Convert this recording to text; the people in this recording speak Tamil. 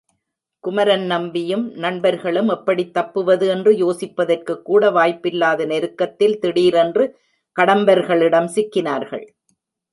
குமரன் நம்பியும், நண்பர்களும் எப்படித் தப்புவது என்று யோசிப்பதற்குக்கூட வாய்ப்பில்லாத நெருக்கத்தில் திடீரென்று கடம்பர்களிடம் சிக்கினார்கள்.